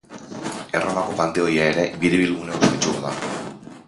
Erromako Panteoia ere biribilgune ospetsua da.